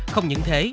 không những thế